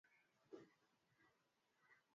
kijiji ambacho kinakadiriwa kuwa na wakaazi elfu mbili